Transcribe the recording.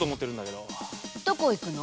どこ行くの？